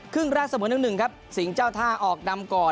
ครึ่งแรกเสมอ๑๑ครับสิงห์เจ้าท่าออกนำก่อน